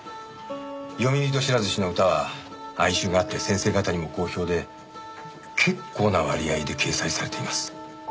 詠み人知らず氏の歌は哀愁があって先生方にも好評で結構な割合で掲載されています。